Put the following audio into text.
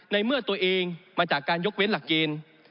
ในเมื่อตัวเองมาจากการยกเว้นหลักเกณฑ์